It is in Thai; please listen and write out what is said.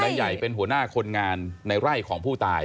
ใหญ่เป็นหัวหน้าคนงานในไร่ของผู้ตาย